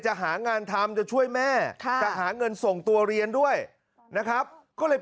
จะหางานทำจะช่วยแม่จะหาเงินส่งตัวเรียนด้วยนะครับก็เลย